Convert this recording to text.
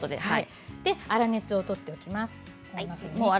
粗熱を取っていきます。